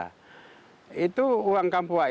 itu uang kampua itu terkait dengan kerajaan buton